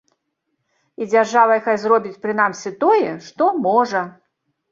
І дзяржава, хай зробіць прынамсі тое, што можа.